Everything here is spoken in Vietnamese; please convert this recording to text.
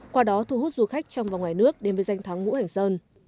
qua đó thu hút du khách trong và ngoài nước đến với danh thắng ngũ hành sơn